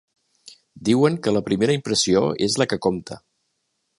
Diuen que la primera impressió és la que compta.